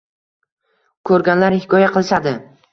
Ko’rganlar hikoya qilishadi: